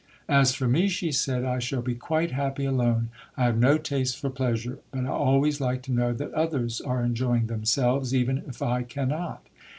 "As for me," she said, "I shall be quite happy alone. I have no taste for pleasure; but I always like to know that others are enjoying themselves, even if I cannot."